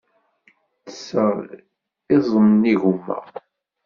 Ttesseɣ iẓem n yigumma.